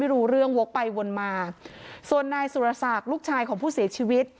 รู้เรื่องวกไปวนมาส่วนนายสุรศักดิ์ลูกชายของผู้เสียชีวิต